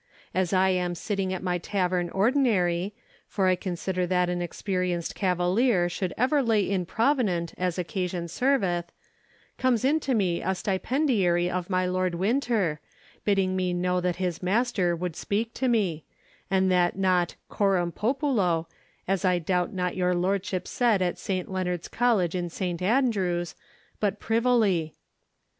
As I am sitting at my tavern ordinary, for I consider that an experienced cavalier should ever lay in provenant as occasion serveth, comes in to me a stipendiary of my Lord Winter, bidding me know that his master would speak to me: and that not coram populo, as I doubt not your lordship said at St. Leonard's College in St. Andrews, but privily.